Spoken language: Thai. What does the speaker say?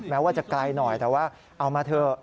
แม้ว่าจะไกลหน่อยแต่ว่าเอามาเถอะ